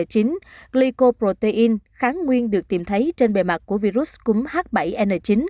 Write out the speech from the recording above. glicoprotein kháng nguyên được tìm thấy trên bề mặt của virus cúm h bảy n chín